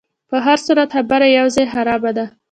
په هرصورت خبره یو ځای خرابه ده.